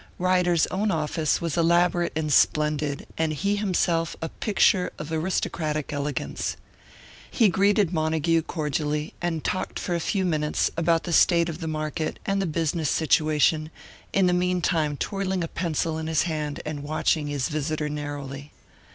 Ryder's own office was elaborate and splendid, and he himself a picture of aristocratic elegance. He greeted Montague cordially, and talked for a few minutes about the state of the market, and the business situation, in the meantime twirling a pencil in his hand and watching his visitor narrowly.